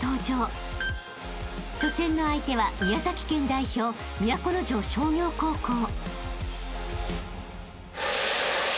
［初戦の相手は宮崎県代表都城商業高校］